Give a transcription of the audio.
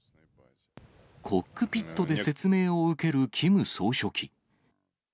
コックピットで説明を受けるキム総書記。